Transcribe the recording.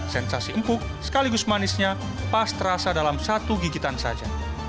sensasi empuk sekaligus manisnya pas terasa dalam satu gigitan saja